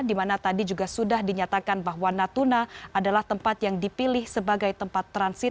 dimana tadi juga sudah dinyatakan bahwa natuna adalah tempat yang dipilih sebagai tempat transit